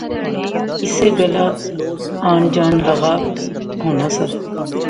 اسے گلاہ آن جان لغا نا ہونا سا